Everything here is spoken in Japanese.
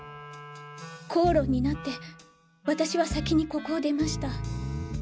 口論になって私は先にここを出ました。